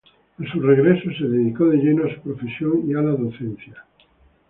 A su regreso se dedicó de lleno a su profesión y a la docencia.